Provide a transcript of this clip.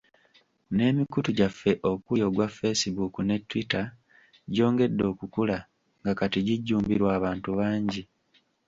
N’emikutu gyaffe okuli ogwa Facebook ne Twitter gyongedde okukula nga kati gijjumbirwa abantu bangi.